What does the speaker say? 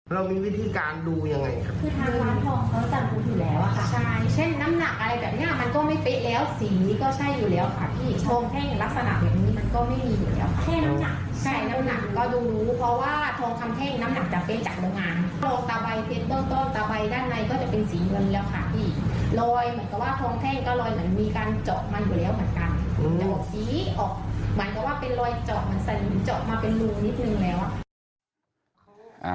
เรามีวิธีการดูยังไงครับ